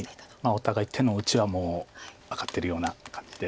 お互い手の内はもう分かってるような感じで。